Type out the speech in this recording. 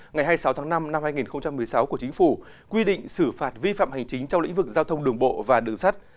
ngày hai mươi sáu tháng năm năm hai nghìn một mươi sáu của chính phủ quy định xử phạt vi phạm hành chính trong lĩnh vực giao thông đường bộ và đường sắt